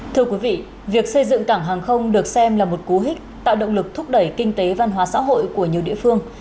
thưa quý vị việc xây dựng cảng hàng không được xem là một cú hích tạo động lực thúc đẩy kinh tế văn hóa xã hội của nhiều địa phương